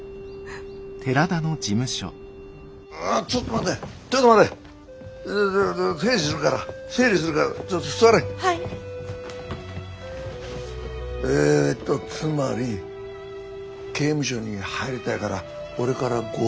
えっとつまり刑務所に入りたいから俺から強盗しようとした。